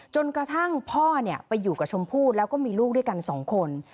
จนกระทั่งพ่อไปอยู่กับชมพู่แล้วก็มีลูกด้วยกันสองคน